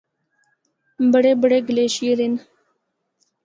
بڑے بڑے گلیشیر ہن۔